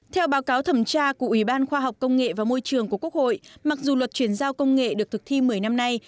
theo báo cáo thẩm tra của ubth mặc dù luật chuyển giao công nghệ được thực thi một mươi năm nay